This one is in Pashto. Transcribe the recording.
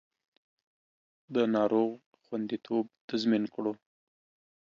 د ناروغ خوندیتوب تضمین کړو